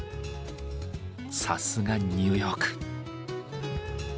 さすがニューヨーク。